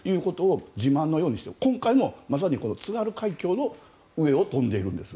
自慢のようにして今回もまさに津軽海峡の上を飛んでいるんです。